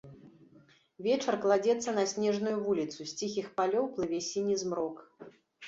Вечар кладзецца на снежную вуліцу, з ціхіх палёў плыве сіні змрок.